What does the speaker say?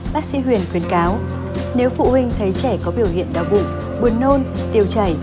bác sĩ huyền khuyến cáo nếu phụ huynh thấy trẻ có biểu hiện đau bụng buồn nôn tiêu chảy